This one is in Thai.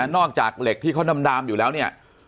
จากเหล็กที่เขาดำอยู่แล้วเนี่ย